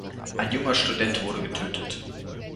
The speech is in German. Ein junger Student wurde getötet.